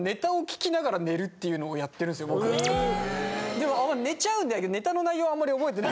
でも寝ちゃうんでネタの内容はあんまり覚えてない。